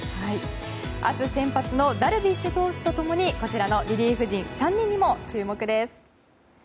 明日、先発のダルビッシュ投手と共にこちらのリリーフ陣３人にも注目です。